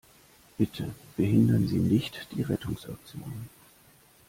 Bitte behindern Sie nicht die Rettungsaktion!